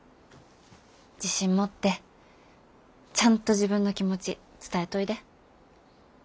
自信持ってちゃんと自分の気持ち伝えといで。